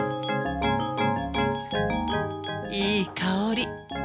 いい香り。